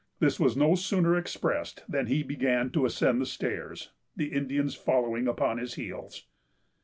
This was no sooner expressed than he began to ascend the stairs, the Indians following upon his heels.